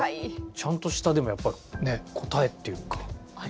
ちゃんとしたでもやっぱねえ答えっていうかあるんだ。